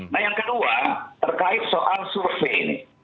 nah yang kedua terkait soal survei ini